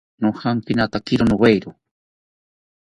Nojankinatakiro nowero